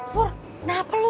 pur kenapa lu